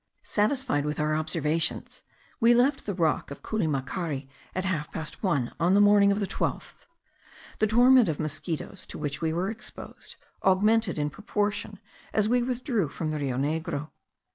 Satisfied with our observations, we left the rock of Culimacari at half past one on the morning of the 12th. The torment of mosquitos, to which we were exposed, augmented in proportion as we withdrew from the Rio Negro.